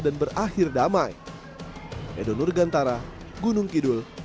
dan berakhir damai